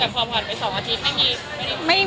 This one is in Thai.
แต่พอผ่านไป๒อาทิตย์ไม่มี